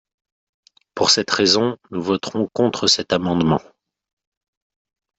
Pour cette raison, nous voterons contre cet amendement.